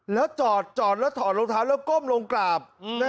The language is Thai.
แล้วจอดแล้วถอดรองเท้าแล้วก้มลงกราบ